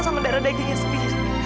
sama dada gengnya sendiri